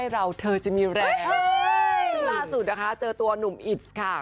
เห้้ยิตจราสุดนะคะเจอตัวหนุ่มอิตค่ะ